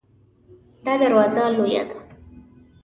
دا دروازه لویه ده